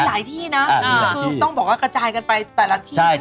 มีหลายที่นะคือต้องบอกว่ากระจายกันไปแต่ละที่ทั่วประเทศด้วย